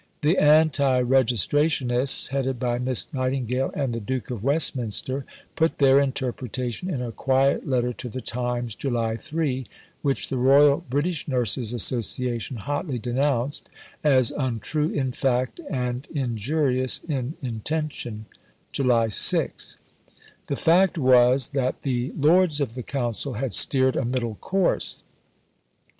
The anti Registrationists, headed by Miss Nightingale and the Duke of Westminster, put their interpretation in a quiet letter to the Times (July 3), which the Royal British Nurses Association hotly denounced as "untrue in fact and injurious in intention" (July 6). The fact was that the Lords of the Council had steered a middle course.